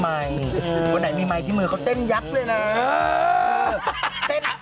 วันไหนมีไมค์ที่มือเขาเต้นยักษ์เลยนะ